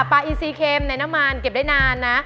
อีซีเค็มในน้ำมันเก็บได้นานนะ